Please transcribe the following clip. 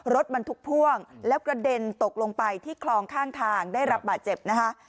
รถบรรทุกพ่วงแล้วกระเด็นตกลงไปที่คลองข้างทางได้รับบาดเจ็บนะคะ